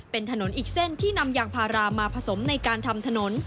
เป็นถนนอีกเส้นที่นำยางพารามาผสมในการทำถนน